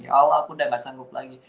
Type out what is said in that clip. ya allah aku udah gak sanggup lagi